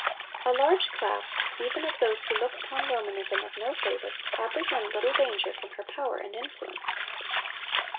A large class, even of those who look upon Romanism with no favor, apprehend little danger from her power and influence.